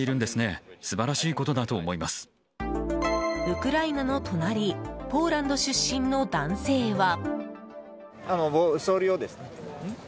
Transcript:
ウクライナの隣ポーランド出身の男性は。